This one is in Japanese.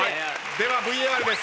ではＶＡＲです。